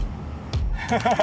ハハハハ。